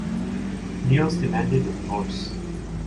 Niels demanded a divorce.